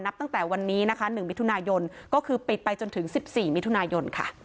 ตั้งแต่วันนี้นะคะ๑มิถุนายนก็คือปิดไปจนถึง๑๔มิถุนายนค่ะ